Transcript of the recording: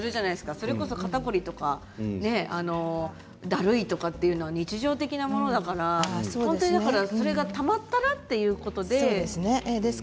それこそ肩凝りとかだるいというのは日常的なものだからそれがたまったらということで。